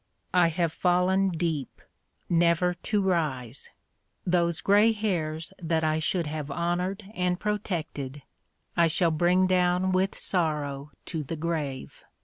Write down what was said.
I have fallen deep never to rise. Those gray hairs that I should have honored and protected I shall bring down with sorrow to the grave.